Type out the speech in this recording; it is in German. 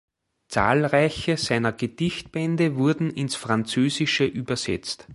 Zahlreiche seiner Gedichtbände wurden ins Französische übersetzt.